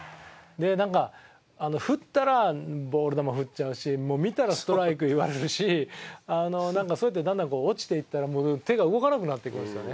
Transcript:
でなんか振ったらボール球振っちゃうし見たらストライク言われるしなんかそうやってだんだん落ちていったら手が動かなくなってくるんですよね。